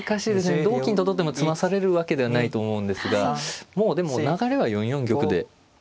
同金と取っても詰まされるわけではないと思うんですがもうでも流れは４四玉で。